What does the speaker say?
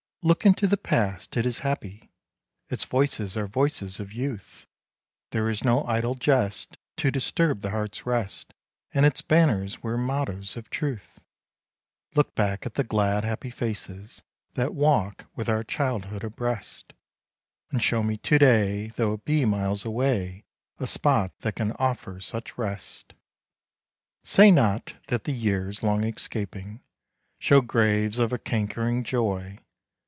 Look into the past! It is happy; Its voices are voices of youth; There is no idle jest to disturb the heart's rest, And its banners wear mottoes of truth; Look back at the glad, happy faces That walk with our childhood abreast, And show me to day, though it be miles away, A spot that can offer such rest. Say not that the years long escaping, Show graves of a cankering joy.